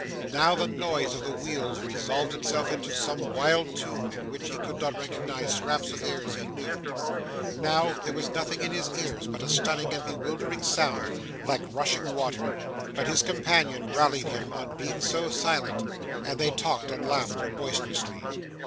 Now, the noise of the wheels resolved itself into some wild tune in which he could recognise scraps of airs he knew; now, there was nothing in his ears but a stunning and bewildering sound, like rushing water. But his companion rallied him on being so silent, and they talked and laughed boisterously.